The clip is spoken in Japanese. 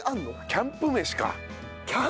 キャンプ飯？